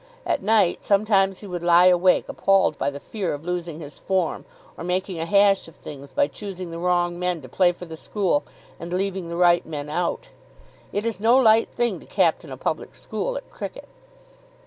At night sometimes he would lie awake, appalled by the fear of losing his form, or making a hash of things by choosing the wrong men to play for the school and leaving the right men out. It is no light thing to captain a public school at cricket.